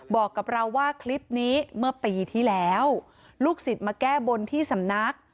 บอกกับเราว่าคลิปนี้เมื่อปีที่แล้วลูกศิษย์มาแก้บนที่สำนัก